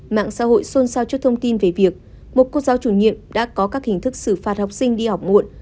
mạng xã hội xôn xao trước thông tin về việc một cô giáo chủ nhiệm đã có các hình thức xử phạt học sinh đi học muộn